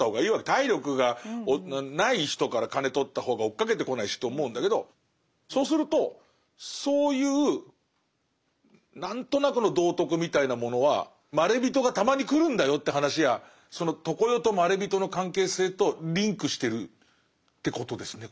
体力がない人から金とった方が追っかけてこないしと思うんだけどそうするとそういう何となくの道徳みたいなものはまれびとがたまに来るんだよって話やその常世とまれびとの関係性とリンクしてるってことですね